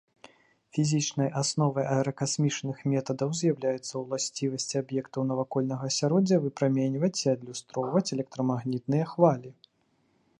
Фізічнай асновай аэракасмічных метадаў з'яўляецца ўласцівасць аб'ектаў навакольнага асяроддзя выпраменьваць ці адлюстроўваць электрамагнітныя хвалі.